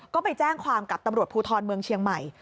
ก็ไปแจ้งความกับตำรวจภูทรเมืองเชียงใหม่